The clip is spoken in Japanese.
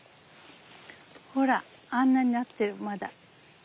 ほらあんなになってるまだ。